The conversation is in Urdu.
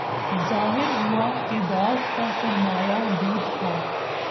ظاہر ہوا کہ داغ کا سرمایہ دود تھا